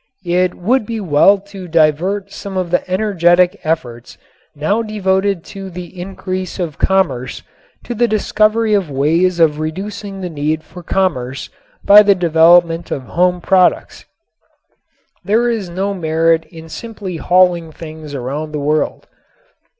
It would be well to divert some of the energetic efforts now devoted to the increase of commerce to the discovery of ways of reducing the need for commerce by the development of home products. There is no merit in simply hauling things around the world.